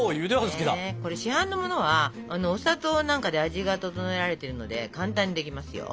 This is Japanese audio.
これ市販のものはお砂糖なんかで味が調えられてるので簡単にできますよ。